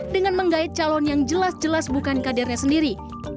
dengan menggait calon yang jelas jelas bukan kadernya sendiri